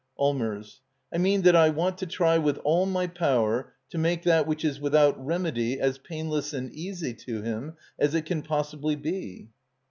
Allmers. I mean that I want to try with all my power to make that which is without remedy as painless and easy to him as it can possibly be.